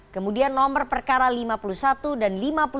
kemudian nomor perkara lima puluh satu dan lima puluh